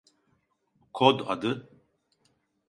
Kod adı…